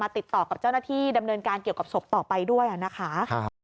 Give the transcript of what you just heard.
ติดต่อกับเจ้าหน้าที่ดำเนินการเกี่ยวกับศพต่อไปด้วยนะคะ